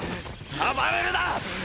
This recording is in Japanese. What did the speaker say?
暴れるな！